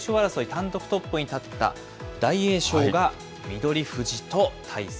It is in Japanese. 単独トップに立った大栄翔が翠富士と対戦。